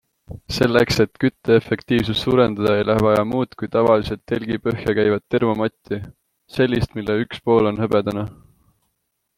Selleks, et kütteefektiivsust suurendada, ei lähe vaja muud kui tavaliselt telgi põhja käivat termomatti - sellist, mille üks pool on hõbedane.